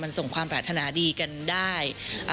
มันส่งความปรารถนาดีกันได้